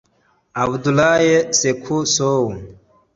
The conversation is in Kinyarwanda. Abdoulaye Sékou Sow